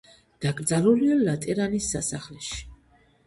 დაკრძალულია ლატერანის სასახლეში.